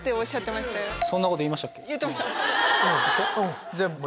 言ってました！